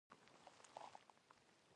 له هغه سره موقتي ایتلاف امکان نه لري.